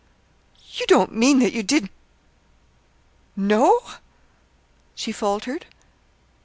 "You don't mean that you didn't know?" she faltered.